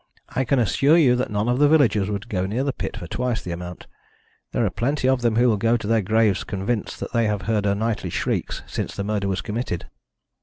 I can assure you that none of the villagers would go near the pit for twice the amount. There are plenty of them who will go to their graves convinced that they have heard her nightly shrieks since the murder was committed."